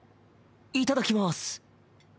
いただきます。